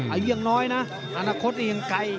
อายุยังน้อยอนาคตยังไกล